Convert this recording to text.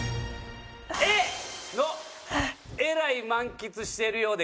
Ａの「えらい満喫してるようで！